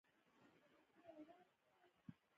مورغاب سیند د افغانستان د چاپیریال ساتنې لپاره مهم دی.